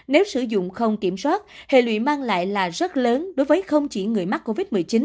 nếu sử dụng không kiểm soát hệ lụy mang lại là rất lớn đối với không chỉ người mắc covid một mươi chín